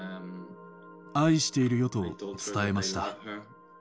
愛しているよと伝えました。